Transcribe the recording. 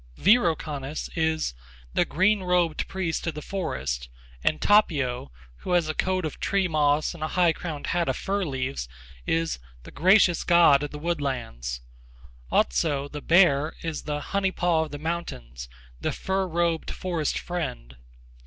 Wirokannas is 'The Green robed Priest of the Forest,' and Tapio, who has a coat of tree moss and a high crowned hat of fir leaves, is 'The Gracious God of the Woodlands.' Otso, the bear, is the 'Honey Paw of the Mountains,' the 'Fur robed Forest Friend.'